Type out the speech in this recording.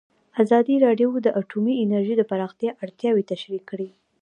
ازادي راډیو د اټومي انرژي د پراختیا اړتیاوې تشریح کړي.